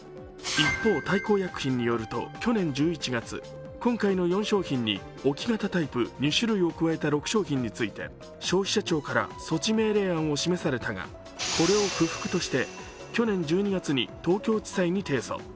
一方、大幸薬品によると去年１１月今回の４商品に置き型タイプ２種類を加えた６商品について消費者庁から措置命令案を示されたがこれを不服として去年１２月に東京地裁に提訴。